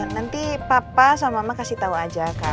nanti papa sama mama kasih tau aja